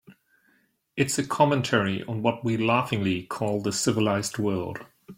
It's a commentary on what we laughingly call the civilized world.